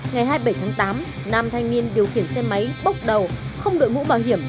ngày hai mươi bảy tháng tám nam thanh niên điều khiển xe máy bốc đầu không đội mũ bảo hiểm